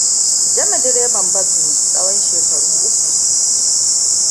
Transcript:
Jami direban bus ne tsawon shekaru uku.